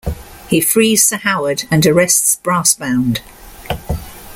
He frees Sir Howard and arrests Brassbound.